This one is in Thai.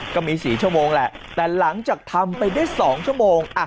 ก็มี๔ชั่วโมงแหละแต่หลังจากทำไปได้๒ชั่วโมง